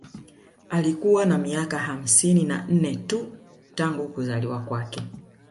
Alikuwa na miaka hamsini na nne tu tangu kuzaliwa kwake